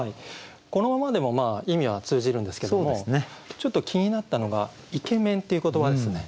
このままでも意味は通じるんですけどもちょっと気になったのが「イケメン」っていう言葉ですね。